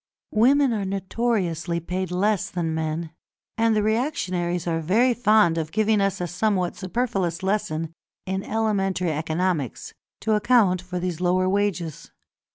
Women are notoriously paid less than men, and the reactionaries are very fond of giving us a somewhat superfluous lesson in elementary economics, to account for these lower wages.